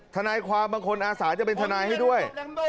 ทนายความบางคนอาสาจะเป็นทนายให้ด้วย